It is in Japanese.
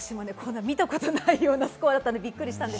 見たことないようなスコアだったのでびっくりしました。